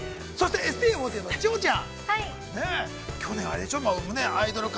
ＳＴＵ４８の千穂ちゃん。